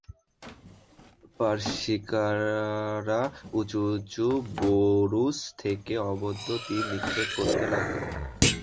পারসিকরা উঁচু উঁচু বুরূজ থেকে অব্যর্থ তীর নিক্ষেপ করতে লাগল।